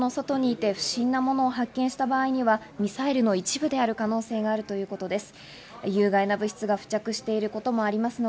建物の外にいて、不審なものを発見した場合にはミサイルの一部である可能性があるということです。